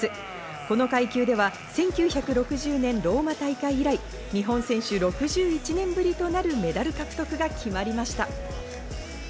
この階級では１９６０年ローマ大会以来、日本選手６１年ぶりとなるメダル獲得が決まりました。